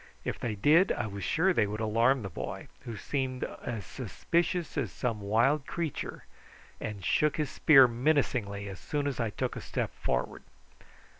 If they did I was sure they would alarm the boy, who seemed as suspicious as some wild creature and shook his spear menacingly as soon as I took a step forward.